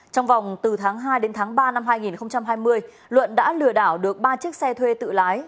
trong vòng từ tháng hai đến tháng ba năm hai nghìn hai mươi luận đã lừa đảo được ba chiếc xe thuê tự lái